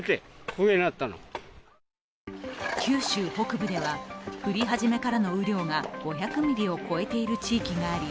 九州北部では降り始めからの雨量が５００ミリを超えている地域があり、